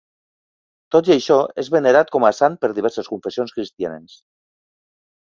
Tot i això, és venerat com a sant per diverses confessions cristianes.